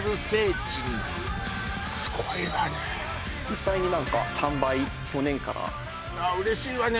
実際に何か３倍去年からいや嬉しいわね